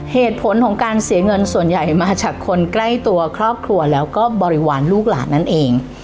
เหตุผลของการเสียเงินส่วนใหญ่มาจากคนใกล้ตัวครอบครัวแล้วก็บริวารลูกหลานนั่นเอง